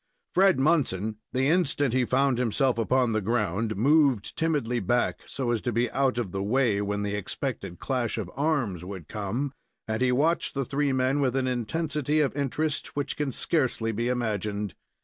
Fred Munson, the instant he found himself upon the ground, moved timidly back, so as to be out of the way when the expected clash of arms would come, and he watched the three men with an intensity of interest which can scarcely be imagined.